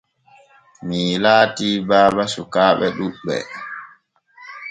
Mii laati baba sukaaɓe ɗuɓɓe.